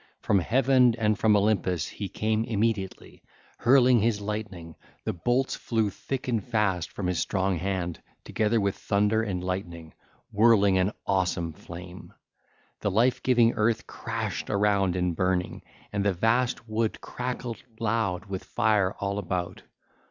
From Heaven and from Olympus he came forthwith, hurling his lightning: the bolts flew thick and fast from his strong hand together with thunder and lightning, whirling an awesome flame. The life giving earth crashed around in burning, and the vast wood crackled loud with fire all about.